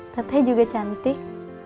tetai juga cantik